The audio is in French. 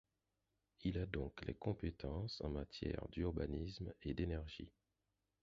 Il a donc les compétences en matière d'urbanisme et d'énergie.